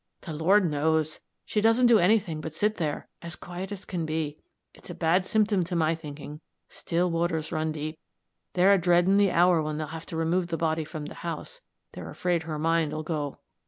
"The Lord knows! She doesn't do any thing but sit there, as quiet as can be. It's a bad symptom, to my thinking. 'Still waters run deep.' They're a dreading the hour when they'll have to remove the body from the house they're afraid her mind 'll go."